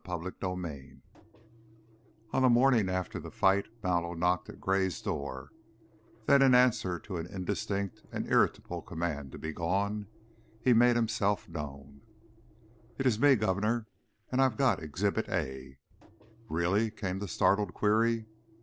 CHAPTER XXII On the morning after the fight Mallow knocked at Gray's door, then in answer to an indistinct and irritable command to be gone, he made himself known. "It's me, Governor. And I've got Exhibit A." "Really?" came the startled query.